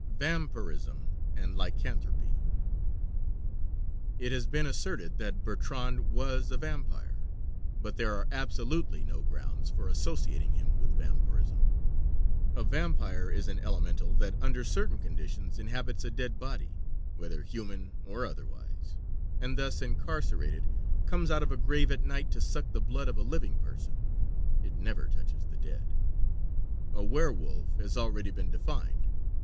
VAMPIRISM AND LYCANTHROPY It has been asserted that Bertrand was a vampire; but there are absolutely no grounds for associating him with vampirism. A vampire is an Elemental that under certain conditions inhabits a dead body, whether human or otherwise; and, thus incarcerated, comes out of a grave at night to suck the blood of a living person. It never touches the dead. A werwolf has already been defined.